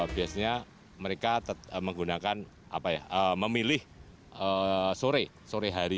biasanya mereka menggunakan apa ya memilih sore sore hari